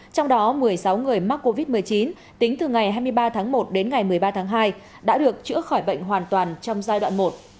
trong đó một mươi sáu người mắc covid một mươi chín tính từ ngày hai mươi ba tháng một đến ngày một mươi ba tháng hai đã được chữa khỏi bệnh hoàn toàn trong giai đoạn một